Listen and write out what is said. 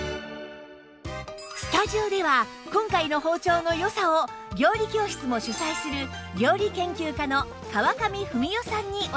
スタジオでは今回の包丁の良さを料理教室も主催する料理研究家の川上文代さんに教えて頂きます